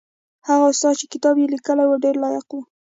هغه استاد چې کتاب یې لیکلی و ډېر لایق و.